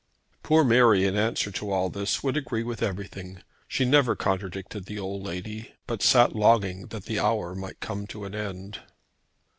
Poor Mary, in answer to all this, would agree with everything. She never contradicted the old lady, but sat longing that the hour might come to an end.